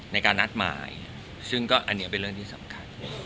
ในการนัดหมายซึ่งก็อันนี้เป็นเรื่องที่สำคัญ